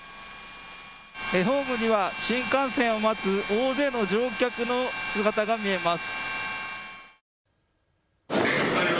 ホームには新幹線を待つ大勢の乗客の姿が見えます。